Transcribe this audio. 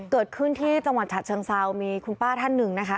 เกิดขึ้นที่จังหวัดฉะเชิงเซามีคุณป้าท่านหนึ่งนะคะ